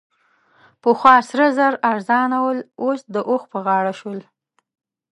پخوا سره زر ارزانه ول؛ اوس د اوښ په غاړه شول.